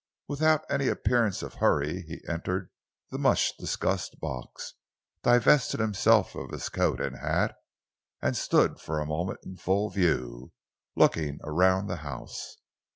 Without any appearance of hurry he entered the much discussed box, divested himself of his coat and hat, and stood for a moment in full view, looking around the house.